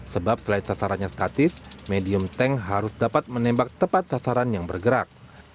sebab selain sasarannya statis medium tank harus dapat menembak tepat sasaran yang bergerak